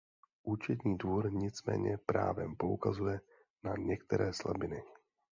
Účetní dvůr nicméně právem poukazuje na některé slabiny.